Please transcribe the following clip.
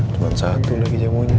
cuma satu lagi jamunya